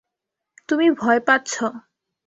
তুমি ভয় পাচ্ছ।